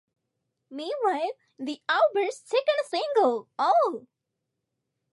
Meanwhile, the album's second single, Ooh!